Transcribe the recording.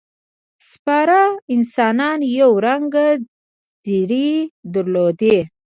سپاره انسانان یو رنګه ځېرې درلودې.